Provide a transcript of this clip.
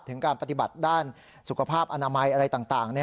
ถึงการปฏิบัติด้านสุขภาพอนามัยอะไรต่าง